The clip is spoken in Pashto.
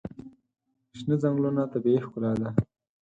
شنه ځنګلونه طبیعي ښکلا ده.